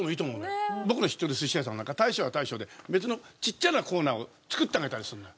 僕の知ってる寿司屋さんなんか大将は大将で別のちっちゃなコーナーを作ってあげたりするのよ。